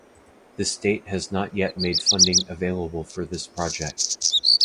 The state has not yet made funding available for this project.